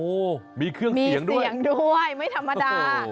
โอ้โหมีเครื่องเสียงด้วยเสียงด้วยไม่ธรรมดา